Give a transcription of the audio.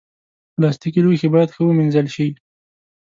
پلاستيکي لوښي باید ښه ومینځل شي.